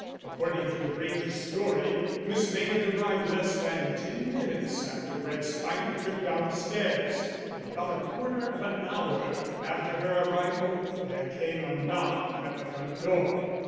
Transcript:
According to the Granges' story, Miss Maynard arrived less than ten minutes after Brett's final trip downstairs, and about a quarter of an hour after her arrival there came a knock at the front door.